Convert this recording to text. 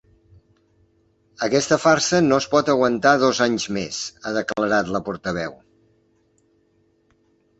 Aquesta farsa no es pot aguantar dos anys més, ha declarat la portaveu.